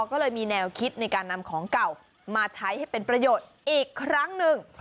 ก็เลยมีแนวคิดในการนำของเก่ามาใช้ให้เป็นประโยชน์อีกครั้งหนึ่ง